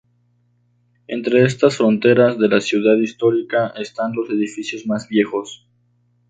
Entre estas fronteras de la ciudad histórica están los edificios más viejos.